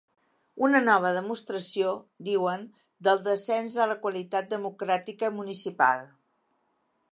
Una nova demostració, diuen, del ‘descens de la qualitat democràtica’ municipal.